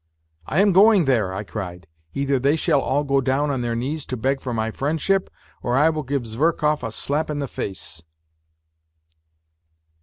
" I am going there !" I cried. " Either they shall all go down on their knees to beg for my friendship, or I will give Zverkov a slap in the face